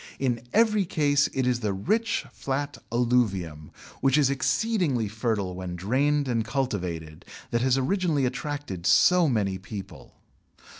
In every case it is the rich flat alluvium, which is exceedingly fertile when drained and cultivated, that has originally attracted so many people.